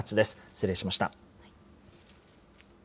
失礼しました。